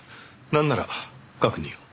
なんなら確認を。